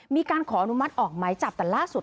มีการขออนุมัติออกหมายจับแต่ล่าสุด